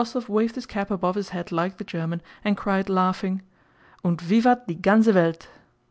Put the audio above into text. Rostóv waved his cap above his head like the German and cried laughing, "Und vivat die ganze Welt!"